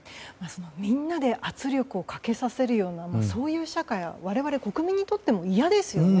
みんなで圧力をかけさせるようなそういう社会は我々、国民にとってもいやですよね。